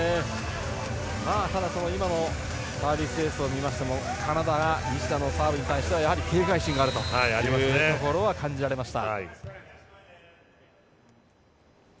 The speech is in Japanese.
ただ、今のサービスエースを見ましてもカナダが西田のサーブに対して警戒心があるというところは感じられました。